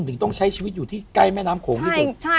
ถึงต้องใช้ชีวิตอยู่ที่ใกล้แม่น้ำโขงที่สุด